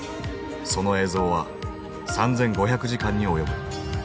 その映像は３，５００時間に及ぶ。